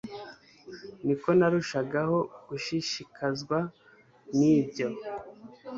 ni ko narushagaho gushishikazwa n'ibyo